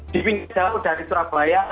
dipindah dari surabaya